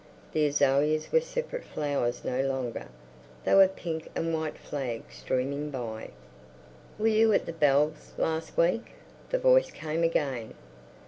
The azaleas were separate flowers no longer; they were pink and white flags streaming by. "Were you at the Bells' last week?" the voice came again.